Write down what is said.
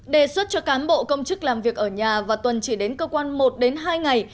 đề xuất cho cán bộ công chức làm việc ở nhà và tuần chỉ đến cơ quan một đến hai ngày